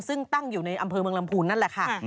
ซึ่งตั้งอยู่ในอำเภอเมืองลำพูนนั่นแหละค่ะ